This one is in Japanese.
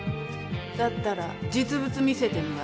だったら実物見せてみな。